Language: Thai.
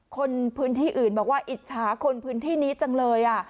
คนพื้นที่อื่นบอกว่าอิจฉาคนพื้นที่นี้จังเลย